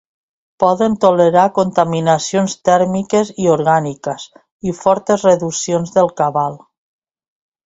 Poden tolerar contaminacions tèrmiques i orgàniques, i fortes reduccions del cabal.